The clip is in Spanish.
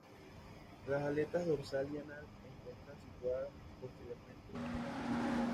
Las aletas dorsal y anal encuentran situadas posteriormente.